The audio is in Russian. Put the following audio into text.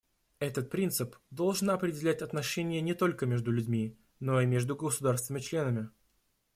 Этот принцип должен определять отношения не только между людьми, но и между государствами-членами.